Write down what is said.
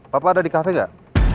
papa ada di cafe gak